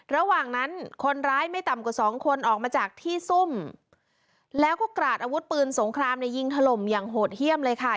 ระหว่างนั้นคนร้ายไม่ต่ำกว่าสองคนออกมาจากที่ซุ่มแล้วก็กราดอาวุธปืนสงครามในยิงถล่มอย่างโหดเยี่ยมเลยค่ะ